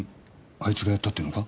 あいつがやったっていうのか？